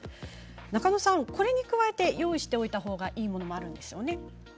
中野さん、これに加えて用意しておいたほうがいいものもあるんですよね。